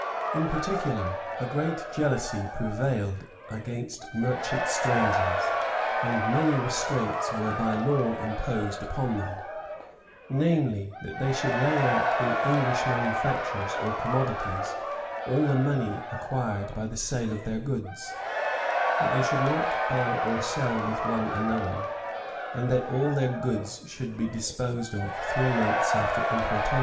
In particular, a great jealousy prevailed against merchant strangers; and many restraints were by law imposed upon them; namely, that they should lay out in English manufactures or commodities all the money acquired by the sale of their goods; that they should not buy or sell with one another; and that all their goods should be disposed of three months after importation.